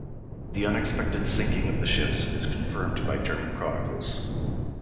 The unexpected sinking of the ships is confirmed by German chronicles.